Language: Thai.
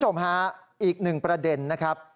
คุณผู้ชมฮะอีกหนึ่งประเด็นนะครับ